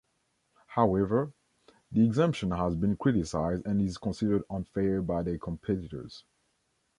However, the exemption has been criticised and is considered unfair by their competitors.